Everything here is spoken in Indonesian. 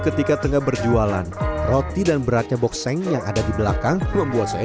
ketika tengah berjualan roti dan beratnya bokseng yang ada di belakang membuat saya